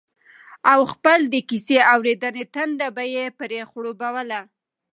او خپل د کيسې اورېدنې تنده به يې پرې خړوبوله